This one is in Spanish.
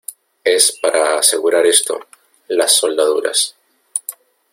es para asegurar esto, las soldaduras.